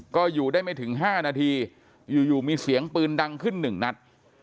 ก็อยู่ได้ไม่ถึง๕นาทีอยู่มีเสียงปืนดังขึ้น๑นัด